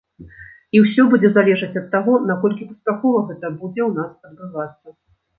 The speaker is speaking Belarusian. І ўсё будзе залежаць ад таго, наколькі паспяхова гэта будзе ў нас адбывацца.